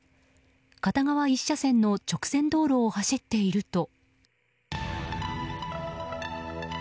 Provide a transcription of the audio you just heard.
片側１車線の直線道路を走っていると。